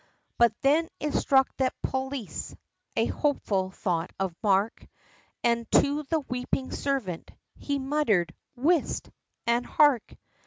But then it struck that polis, a hopeful thought of mark, And to the weeping servant, he muttered, "Whist! an' hark!"